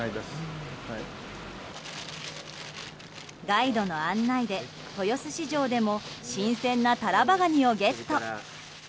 ガイドの案内で豊洲市場でも新鮮なタラバガニをゲット。